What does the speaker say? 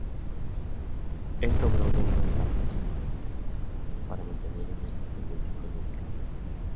El cobro de una tasa se justifica para mantener una independencia económica y política.